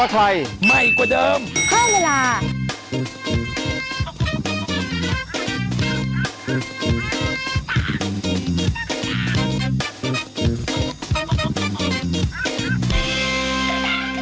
คุณแม่คุณแม่